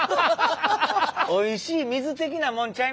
おいしい水。